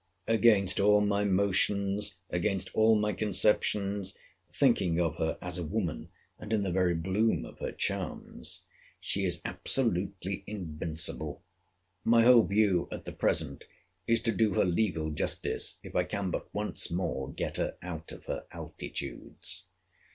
—Against all my motions, against all my conceptions, (thinking of her as a woman, and in the very bloom of her charms,) she is absolutely invincible. My whole view, at the present, is to do her legal justice, if I can but once more get her out of her altitudes.